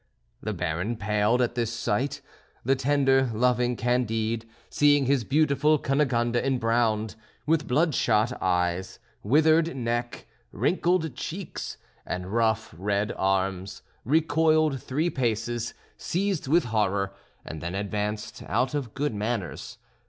The Baron paled at this sight. The tender, loving Candide, seeing his beautiful Cunegonde embrowned, with blood shot eyes, withered neck, wrinkled cheeks, and rough, red arms, recoiled three paces, seized with horror, and then advanced out of good manners.